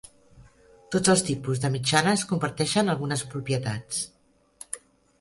Tots els tipus de mitjanes comparteixen algunes propietats.